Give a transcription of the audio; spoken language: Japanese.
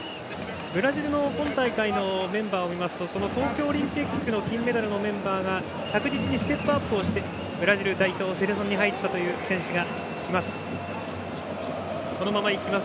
ブラジルの今大会のメンバーを見ると東京オリンピックの金メダルのメンバーが着実にステップアップをしてブラジル代表に入った選手がいます。